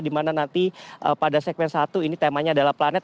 dimana nanti pada segmen satu ini temanya adalah planet